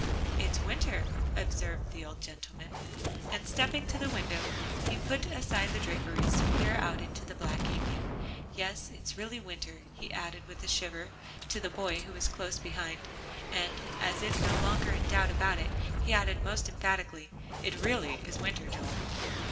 "It's winter," observed the old gentleman, and stepping to the window he put aside the draperies, to peer out into the black evening. "Yes, it really is winter," he added with a shiver, to the boy who was close behind, and as if no longer in doubt about it, he added most emphatically, "it really is winter, Joel."